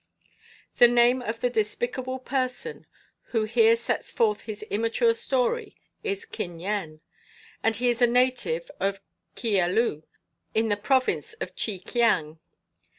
The name of the despicable person who here sets forth his immature story is Kin Yen, and he is a native of Kia Lu in the Province of Che Kiang.